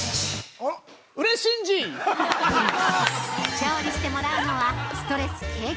◆調理してもらうのはストレス軽減！